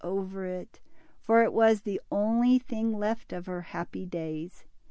53 over it, for it was the only thing left of her happy days.